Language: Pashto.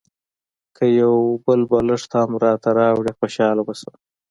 که یو بل بالښت هم راته راوړې خوشاله به شم.